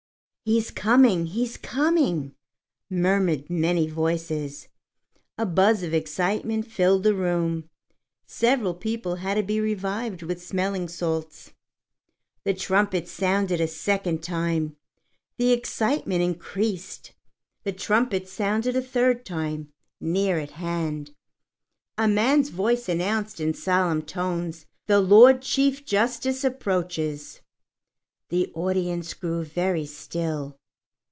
"He's coming! He's coming!" murmured many voices. A buzz of excitement filled the room. Several people had to be revived with smelling salts. The trumpets sounded a second time. The excitement increased. The trumpets sounded a third time, near at hand. A man's voice announced in solemn tones, "The Lord Chief Justice approaches." The audience grew very still.